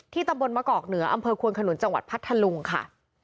ตำบลมะกอกเหนืออำเภอควนขนุนจังหวัดพัทธลุงค่ะ